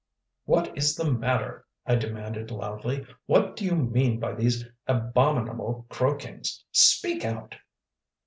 "What is the matter?" I demanded loudly. "What do you mean by these abominable croakings? Speak out!"